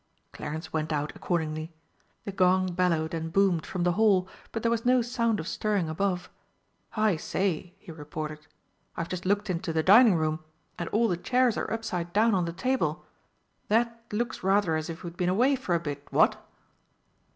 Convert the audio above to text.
Clarence went out accordingly. The gong bellowed and boomed from the hall, but there was no sound of stirring above. "I say," he reported, "I've just looked into the dining room, and all the chairs are upside down on the table. That looks rather as if we'd been away for a bit what?"